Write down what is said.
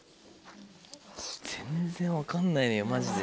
全然分かんないのよマジで。